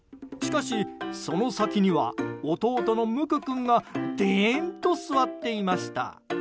しかし、その先には弟のむく君がデーンと座っていました。